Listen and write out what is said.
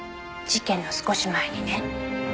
事件の少し前にね。